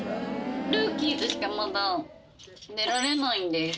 ルーキーズしかまだ出られないんです